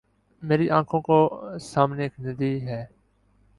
میرے آنکھوں کو سامنے ایک ندی ہے